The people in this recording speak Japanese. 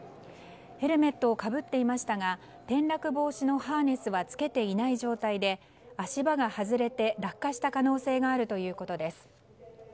ヘルメットをかぶっていましたが転落防止のハーネスは着けていない状態で足場が外れて落下した可能性があるということです。